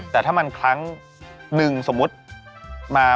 แต่ถ้ามันครั้งหนึ่งสมมุติมา